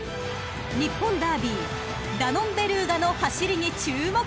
［日本ダービーダノンベルーガの走りに注目！］